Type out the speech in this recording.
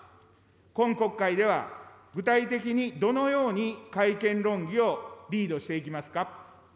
今国会では、具体的にどのように改憲論議をリードしていきますか。